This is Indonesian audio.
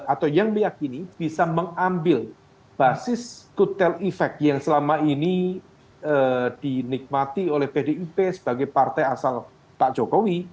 atau yang meyakini bisa mengambil basis kutel efek yang selama ini dinikmati oleh pdip sebagai partai asal pak jokowi